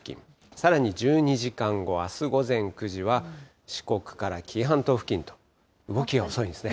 さらに１２時間後、あす午前９時は四国から紀伊半島付近と、動きが遅いんですね。